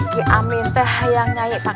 kami tidak ingin pakai perasaan